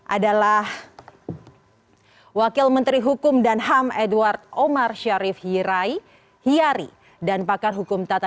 adalah wakil menteri hukum dan ham edward omar syarif hirai hiari dan pakar hukum tata